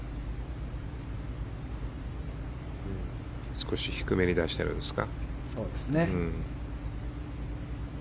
少し低めに出してるんですか。